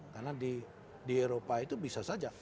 karena di eropa itu bisa saja